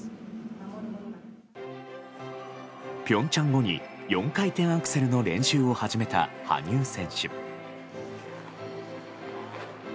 平昌後に４回転アクセルの練習を始めた羽生選手。